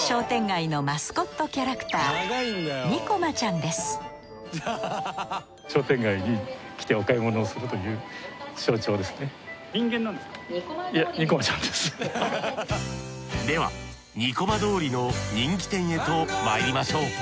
商店街のマスコットキャラクターではにこま通りの人気店へとまいりましょう。